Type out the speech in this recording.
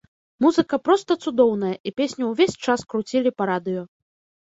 Музыка проста цудоўная, і песню ўвесь час круцілі па радыё.